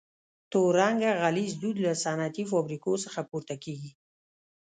تور رنګه غلیظ دود له صنعتي فابریکو څخه پورته کیږي.